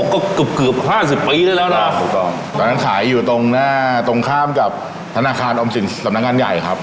อ๋อก็เกือบ๕๐ปีได้แล้วนะครับตอนนั้นขายอยู่ตรงข้ามกับธนาคารอมสินสำนักงานใหญ่ครับ